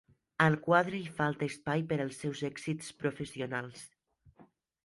Al quadre hi falta espai per als seus èxits professionals.